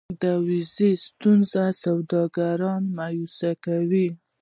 د ویزې ستونزې سوداګر مایوسه کوي.